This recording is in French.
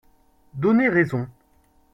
donné raison.